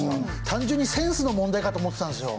単純にセンスの問題かと思ってたんですよ